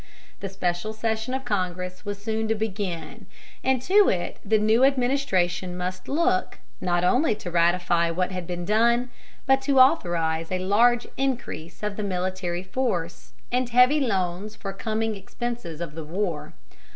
The special session of Congress was soon to begin, and to it the new administration must look, not only to ratify what had been done, but to authorize a large increase of the military force, and heavy loans for coming expenses of the war.